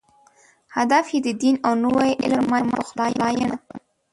هدف یې د دین او نوي علم تر منځ پخلاینه وه.